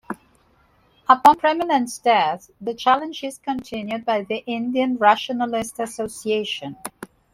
Upon Premanand's death, the challenge is continued by the Indian Rationalist Association.